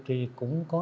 thì cũng có